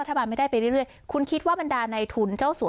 ไม่ได้ไปเรื่อยคุณคิดว่าบรรดาในทุนเจ้าสัว